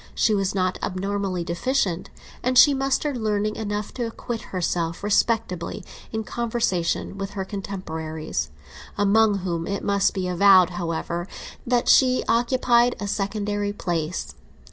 She was not abnormally deficient, and she mustered learning enough to acquit herself respectably in conversation with her contemporaries, among whom it must be avowed, however, that she occupied a secondary place.